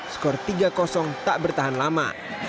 skor tiga tak bertahan lama